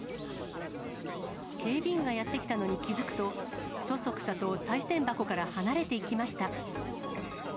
警備員がやって来たのに気付くと、そそくさとさい銭箱から離れていきました。